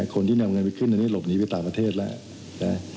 คนที่นำเงินไปขึ้นอันนี้หลบหนีไปต่างประเทศแล้วนะ